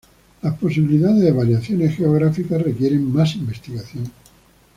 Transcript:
Las posibilidades de variaciones geográficas requieren más investigación.